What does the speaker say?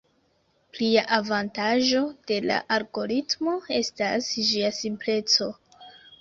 Plia avantaĝo de la algoritmo estas ĝia simpleco.